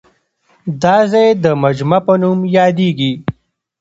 دا ځای د مجمع په نوم یادېږي.